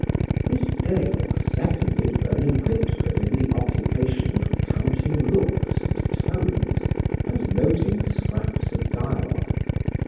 Miss Dale seconded Vernon Whitford in the occupation of counting looks and tones, and noting scraps of dialogue.